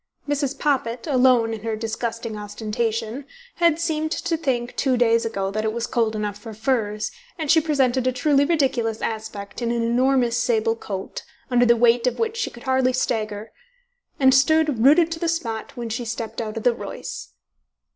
Mrs. Poppit, alone in her disgusting ostentation, had seemed to think two days ago that it was cold enough for furs, and she presented a truly ridiculous aspect in an enormous sable coat, under the weight of which she could hardly stagger, and stood rooted to the spot when she stepped out of the Royce.